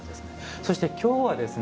そして今日はですね